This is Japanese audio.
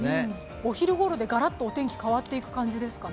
お昼ごろでガラッとお天気が変わっていく感じですかね。